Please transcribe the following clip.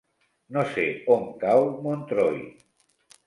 No sé on cau Montroi.